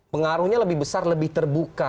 pengaruhnya lebih besar lebih terbuka